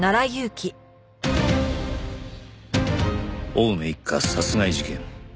青梅一家殺害事件